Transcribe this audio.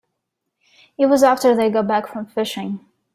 It was after they got back from fishing.